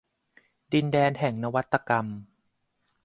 ดินแดนแห่งนวัตกรรม